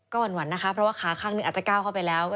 ก็หวั่นนะคะเพราะว่าขาข้างหนึ่งอาจจะก้าวเข้าไปแล้ว